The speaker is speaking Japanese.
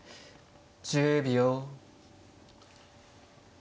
１０秒。